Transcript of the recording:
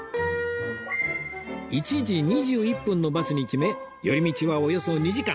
１時２１分のバスに決め寄り道はおよそ２時間